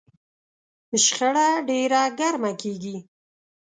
شخړه ډېره ګرمه کېږي.